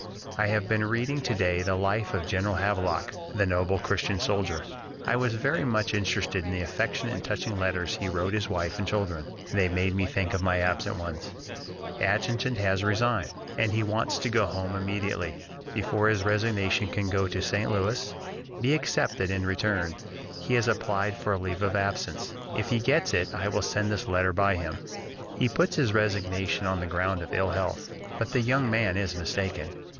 I have been reading to day the life of General Havelock, that noble Christian soldier. I was very much interested in the affectionate and touching letters he wrote his wife and children; they made me think of my absent ones.... "Adjutant has resigned, and as he wants to go home immediately, before his resignation can go to St. Louis, be accepted, and returned, he has applied for a leave of absence. If he gets it, I will send this letter by him. He puts his resignation on the ground of ill health, but the young man is mistaken.